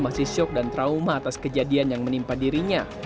masih syok dan trauma atas kejadian yang menimpa dirinya